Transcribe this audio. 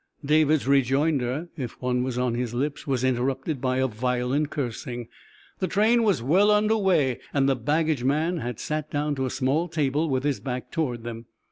David's rejoinder, if one was on his lips, was interrupted by a violent cursing. The train was well under way, and the baggage man had sat down to a small table with his back toward them.